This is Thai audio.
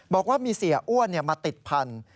บอกว่ามีเสียอ้วนมาติดพันธุ์